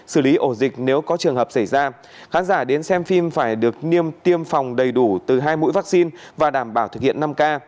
xử lý ổ dịch nếu có trường hợp xảy ra khán giả đến xem phim phải được niêm tiêm phòng đầy đủ từ hai mũi vaccine và đảm bảo thực hiện năm k